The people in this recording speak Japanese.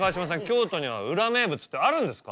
京都には裏名物ってあるんですか？